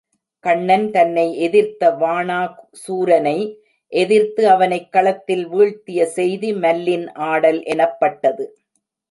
கண்ணன் தன்னை எதிர்த்த வாணா சூரனை எதிர்த்து அவனைக் களத்தில் வீழ்த்திய செய்தி மல்லின் ஆடல் எனப்பட்டது.